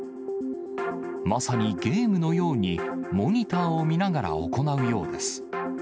まさにゲームのように、モニターを見ながら行うようです。